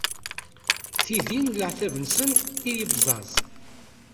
Tidi n leɛtab-nsen i yebẓaẓ.